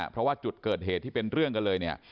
เพราะว่าจุดเกิดเหตุที่เป็นเรื่องกันเลยเนี่ย